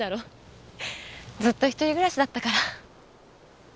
ずっと１人暮らしだったから。